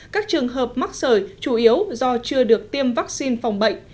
các trường hợp mắc sởi chủ yếu do chưa được tiêm vaccine phòng bệnh